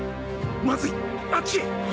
まずいあっちへ！